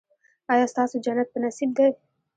ایا ستاسو جنت په نصیب دی؟